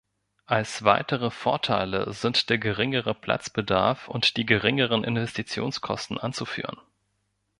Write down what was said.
Als weitere Vorteile sind der geringere Platzbedarf und die geringeren Investitionskosten anzuführen.